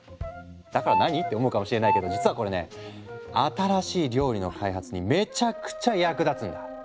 だから何？って思うかもしれないけど実はこれね新しい料理の開発にめちゃくちゃ役立つんだ。